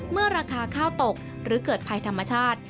เมื่อราคาข้าวตกหรือเกิดภัยธรรมชาติ